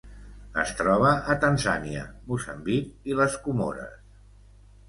Es troba a Tanzània, Moçambic i les Comores.